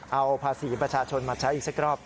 เอาภาษีประชาชนมาใช้อีกสักรอบ